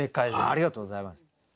ありがとうございます。